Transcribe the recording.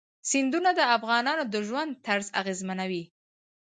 سیندونه د افغانانو د ژوند طرز اغېزمنوي.